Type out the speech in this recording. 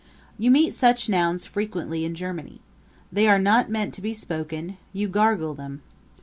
You meet such nouns frequently in Germany. They are not meant to be spoken; you gargle them.